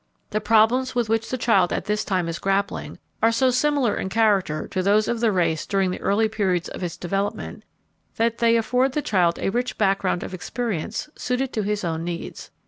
The problems with which the child at this time is grappling are so similar in character to those of the race during the early periods of its development that they afford the child a rich background of experience suited to his own needs.